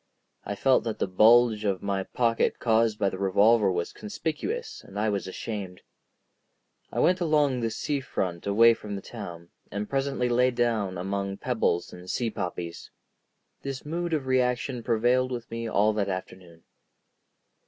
I felt that the bulge of my pocket caused by the revolver was conspicuous, and I was ashamed. I went along the sea front away from the town, and presently lay down among pebbles and sea poppies. This mood of reaction prevailed with me all that afternoon.